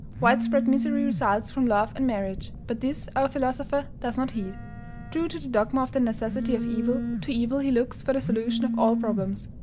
Widespread misery results from love and marriage, but this our philosopher does not heed. True to the dogma of the necessity of evil, to evil he looks for the solution of all problems.